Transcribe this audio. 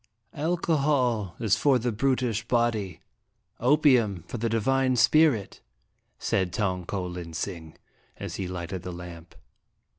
Alcohol is for the brutish body, opium for the divine spirit," said Tong ko lin sing, as he lighted the lamp.